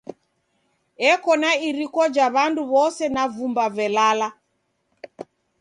Eko na iriko ja w'andu w'ose na vumba velala.